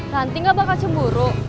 nanti gak bakal cemburu